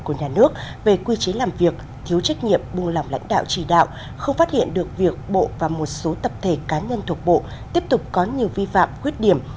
của nhà nước về quy chế làm việc thiếu trách nhiệm buông lỏng lãnh đạo trì đạo không phát hiện được việc bộ và một số tập thể cá nhân thuộc bộ tiếp tục có nhiều vi phạm khuyết điểm